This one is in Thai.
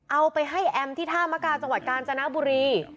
เอาไปให้แอมที่ท่ามกาจังหวัดกาญจนบุรี